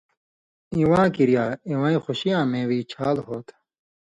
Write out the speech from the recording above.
(اِواں کِریا) اِوَیں خوشی یاں مېوی چھال ہو تھہ۔